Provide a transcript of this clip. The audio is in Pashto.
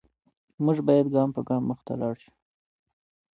موږ باید ګام په ګام مخته لاړ شو.